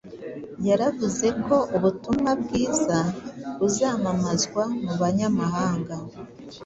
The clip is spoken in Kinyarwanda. yaravuze ko ubutumwa bwiza buzamamazwa mu banyamahanga.